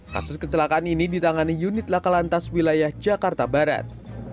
kasus kecelakaan ini ditangani unit lakalantas wilayah jakarta barat